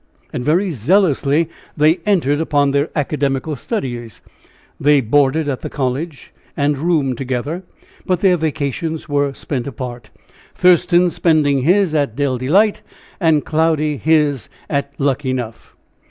And very zealously they entered upon their academical studies. They boarded at the college and roomed together. But their vacations were spent apart, Thurston spending his at Dell Delight, and Cloudy his at Luckenough.